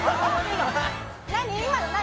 何？